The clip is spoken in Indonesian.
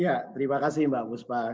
ya terima kasih mbak fuspa